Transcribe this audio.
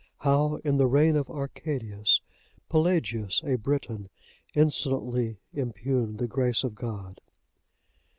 How, in the reign of Arcadius, Pelagius, a Briton, insolently impugned the Grace of God.